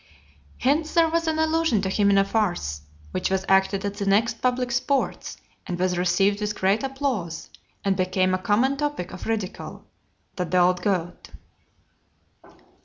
Hence there was an allusion to him in a farce, which was acted at the next public sports, and was received with great applause, and became a common topic of ridicule : that the old goat XLVI.